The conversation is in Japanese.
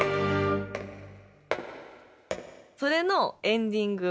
それのエンディング。